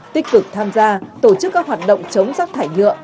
tích cực tham gia tổ chức các hoạt động chống rác thải nhựa